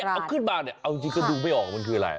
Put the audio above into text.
เอาขึ้นมาจริงกดุไม่ออกมันคืออะไร